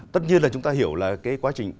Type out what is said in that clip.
tất nhiên là chúng ta hiểu là cái quá trình